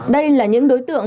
đây là những đối tượng